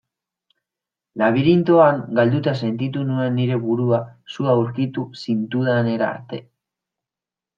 Labirintoan galduta sentitu nuen nire burua zu aurkitu zintudanera arte.